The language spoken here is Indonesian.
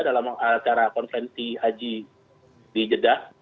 dalam acara konvensi haji di jeddah